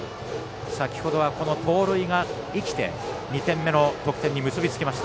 先ほどは、この盗塁が生きて２点目の得点に結びつきました。